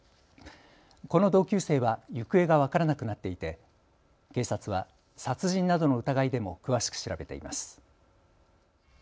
この同級生は行方が分からなくなっていて警察は殺人などの疑いでも詳しく調べています。